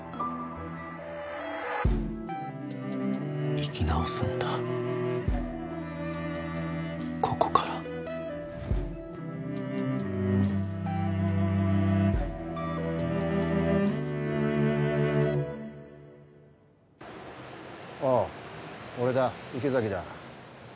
生き直すんだここからおう俺だ池崎だ。